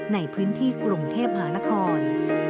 ในพื้นที่กรุงเทพมหานคร